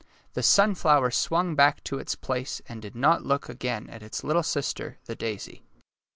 The sunflower swung back to its place and did not look again at its little sister, the daisy.